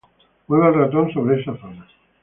mueva el ratón sobre esa zona